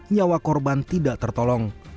nyawa korban tidak tertolong